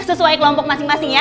sesuai kelompok masing masing ya